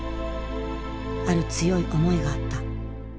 ある強い思いがあった。